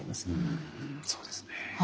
そうですね。